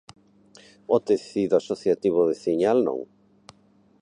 O tecido asociativo veciñal non.